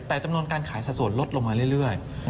แต่จำนวนการขายสัดส่วนลดลงมาเรื่อย